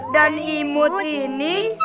dan imut ini